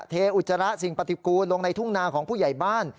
เทอุจจาระสิ่งปฏิกูลลงในทุ่งนาของผู้ใหญ่บ้าน